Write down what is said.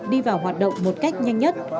đi vào hoạt động một cách nhanh nhất